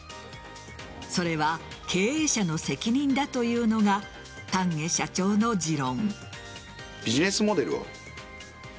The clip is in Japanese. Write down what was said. それは経営者の責任だというのが丹下社長の持論。